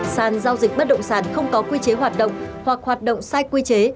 sàn giao dịch bất động sản không có quy chế hoạt động hoặc hoạt động sai quy chế